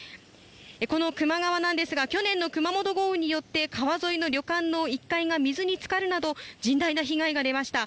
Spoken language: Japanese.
この球磨川ですが去年の熊本豪雨によって川沿いの旅館の１階が水に浸かるなど甚大な被害が出ました。